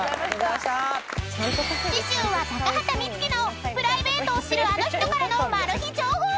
［次週は高畑充希のプライベートを知るあの人からのマル秘情報！］